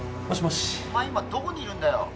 お前今どこにいるんだよ。